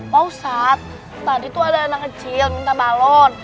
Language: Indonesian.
pausad tadi tuh ada anak kecil minta balon